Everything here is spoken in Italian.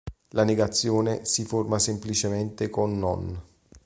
La negazione si forma semplicemente con "non".